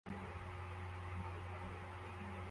Uyu muntu yicaye ku ndogobe